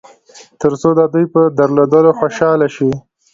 تر څو د دوی په درلودلو خوشاله شئ.